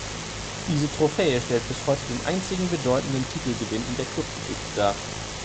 Diese Trophäe stellt bis heute den einzigen bedeutenden Titelgewinn in der Klubgeschichte dar.